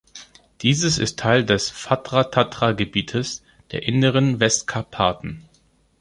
Dieses ist Teil des Fatra-Tatra-Gebietes der Inneren Westkarpaten.